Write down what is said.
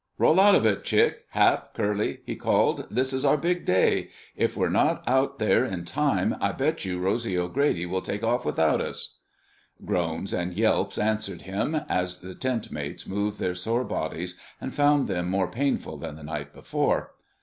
"Roll out of it, Chick, Hap, Curly!" he called. "This is our big day. If we're not out there in time, I bet you Rosy O'Grady will take off without us!" Groans and yelps answered him, as the tent mates moved their sore bodies and found them more painful than the night before.